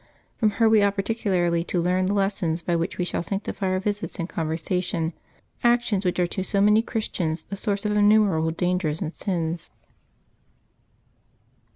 From her we ought particularly to learn the lessons by which we shall sanctify our visits and conversation, actions which are to so many Christians the sources of innumerable dangers and sins.